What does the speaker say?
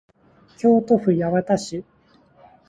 京都府八幡市